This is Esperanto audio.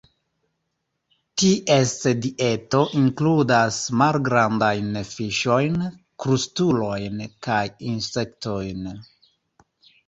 Ties dieto inkludas malgrandajn fiŝojn, krustulojn kaj insektojn.